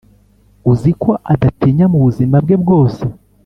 uziko adatinya mu buzima bwe bwose